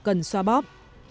cần xoa bóp